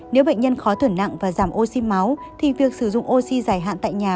nếu bệnh nhân khó thưởng nặng và giảm oxy máu thì việc sử dụng oxy giải hạn tại nhà